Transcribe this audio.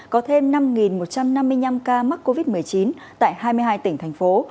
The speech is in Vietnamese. có thêm năm một trăm năm mươi năm ca mắc covid một mươi chín tại hai mươi hai tỉnh thành phố